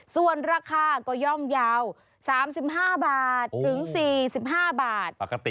ส่วนราคาก็ย่อมยาว๓๕บาทถึง๔๕บาทปกติ